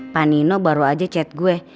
pak nino baru aja chat gue